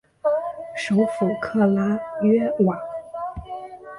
首府克拉约瓦。